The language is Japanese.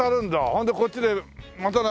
ほんでこっちでまた。